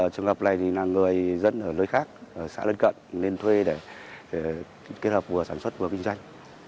trường hợp này là người dân ở nơi khác xã lân cận lên thuê để kết hợp vừa sản xuất vừa kinh doanh